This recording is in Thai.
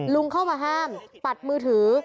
ลุงเข้ามาห้ามปัดมือถือ